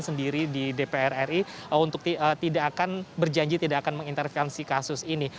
sendiri di dpr ri untuk tidak akan berjanji tidak akan mengintervensi kasus ini